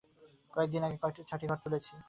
কয়েক দিন আগে ছয়টি ঘর তুলেছি।